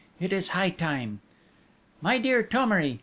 It is high time!" "My dear Thomery!"